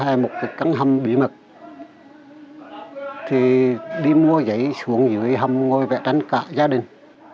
tôi có một căn hầm bí mật đi mua giấy xuống dưới hầm ngồi vẽ tranh cả gia đình